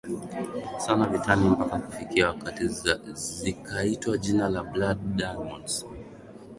sana vitani mpaka kufikia wakati zikaitwa jina la blood diamonds